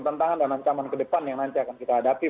tantangan dan ancaman ke depan yang nanti akan kita hadapi